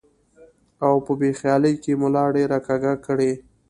او پۀ بې خيالۍ کښې ملا ډېره کږه کړي ـ